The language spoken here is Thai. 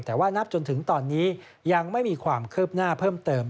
แต่ว่านับจนถึงตอนนี้ยังไม่มีความคืบหน้าเพิ่มเติม